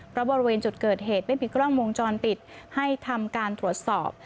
เพราะบริเวณจุดเกิดเหตุไม่มีกล้องวงจรปิดให้ทำการตรวจสอบ